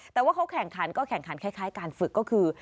แต่ว่าเขาแข่งขันก็แข่งขันคล้ายการฝึกก็คือ